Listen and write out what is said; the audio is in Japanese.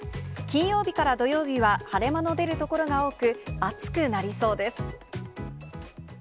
金曜日から土曜日は晴れ間の出る所が多く、暑くなりそうです。